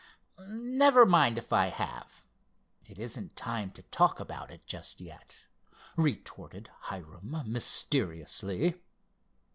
"Never mind if I have. It isn't the time to talk about it just yet," retorted Hiram mysteriously.